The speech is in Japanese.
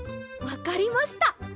わかりました。